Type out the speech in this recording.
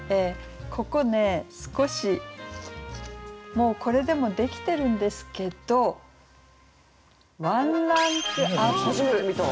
ここね少しもうこれでもできてるんですけどワンランクＵＰという。